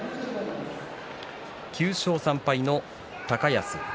９勝３敗の高安。